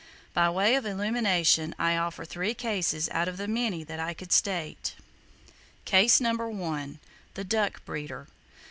By way of illumination, I offer three cases out of the many that I could state. Case No. 1. The Duck Breeder.